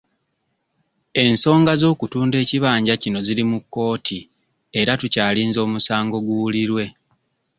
Ensonga z'okutunda ekibanja kino ziri mu kkooti era tukyalinze omusango guwulirwe.